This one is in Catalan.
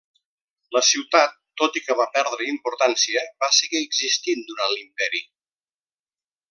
La ciutat, tot i que va perdre importància, va seguir existint durant l'imperi.